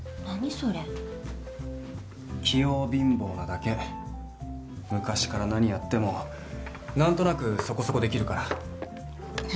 それ器用貧乏なだけ昔から何やってもなんとなくそこそこできるから何？